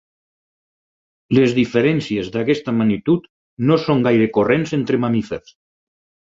Les diferències d'aquesta magnitud no són gaire corrents entre mamífers.